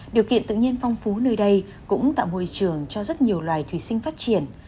điều kiện tự nhiên phong phú nơi đây cũng tạo môi trường cho rất nhiều loài thủy sinh phát triển